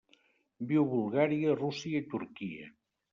Viu a Bulgària, Rússia i Turquia.